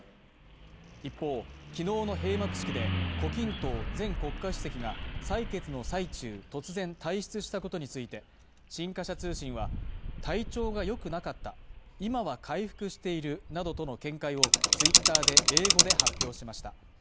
一方、昨日の閉幕式で胡錦涛前国家主席が採決の最中、突然退出したことについて、新華社通信は体調がよくなかった、今は回復しているなどとの見解をＴｗｉｔｔｅｒで英語で発表しました。